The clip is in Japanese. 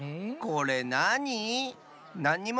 これなに？